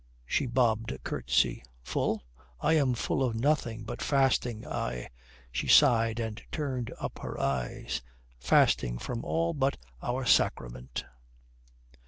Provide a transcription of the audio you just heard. She bobbed a curtsy. "Full? I am full of nothing but fasting, aye," she sighed, and turned up her eyes "fasting from all but our sacrament."